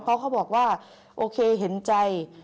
เพราะเขาบอกว่าโอเคเห็นใจ